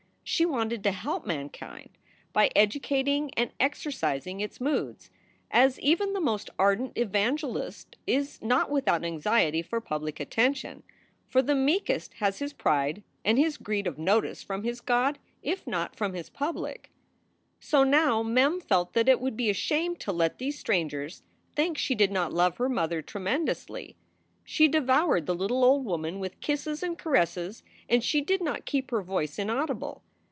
She wanted to help mankind by educating and exercising its moods, as even the most ardent evangelist is not without anxiety for public attention, for the meekest has his pride and his greed of notice from his God if not from his public. So now Mem felt that it would be a shame to let these strangers think she did not love her mother tremendously. She devoured the little old woman with kisses and caresses, and she did not keep her voice inaudible.